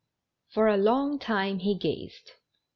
For a long time he gazed.